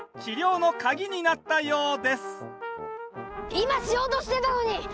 今しようとしてたのに！